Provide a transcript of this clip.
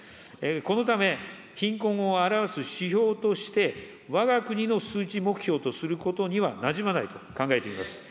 このため、貧困を表す指標として、わが国の数値目標とすることにはなじまないと考えています。